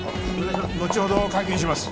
後ほど会見します。